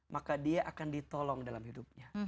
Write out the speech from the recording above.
maka dia akan ditolong dalam hidupnya